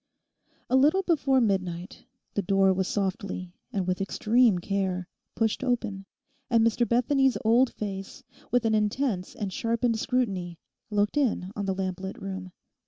A little before midnight the door was softly, and with extreme care, pushed open, and Mr Bethany's old face, with an intense and sharpened scrutiny, looked in on the lamplit room.